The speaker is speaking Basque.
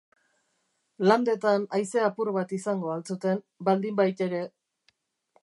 Landetan haize apur bat izango ahal zuten, baldinbaitere.